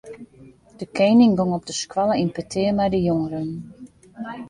De kening gong op de skoalle yn petear mei de jongeren.